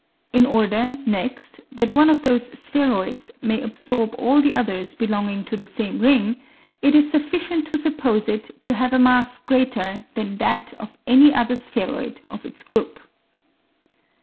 In order, next, that one of those spheroids may absorb all the others belonging to the same ring, it is sufficient to suppose it to have a mass greater than that of any other spheroid of its group.